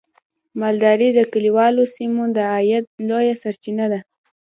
مالداري د کليوالو سیمو د عاید لویه سرچینه ده.